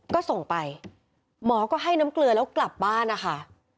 ก็ส่งไปหมอก็ให้น้ำเกลือแล้วกลับบ้านนะคะ